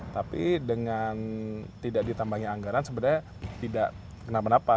tapi dengan tidak ditambahnya anggaran sebenarnya tidak kenapa napa